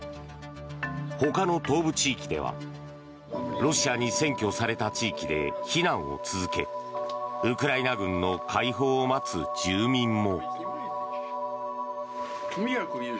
他の東部地域ではロシアに占拠された地域で避難を続けウクライナ軍の解放を待つ住民も。